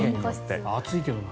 暑いけどね。